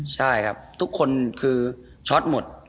ใช่ครับทุกคนคือช็อตหมด